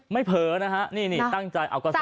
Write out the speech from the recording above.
ไม่เผลอนะฮะนี่ตั้งใจเอากระสอบมา